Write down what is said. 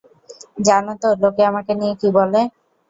জানো তো লোকে আমাকে নিয়ে কী বলে?